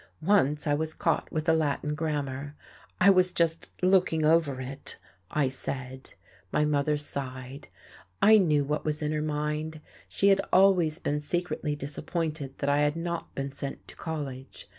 Once I was caught with a Latin grammar: I was just "looking over it," I said. My mother sighed. I knew what was in her mind; she had always been secretly disappointed that I had not been sent to college.